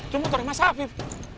cuma dari mas afif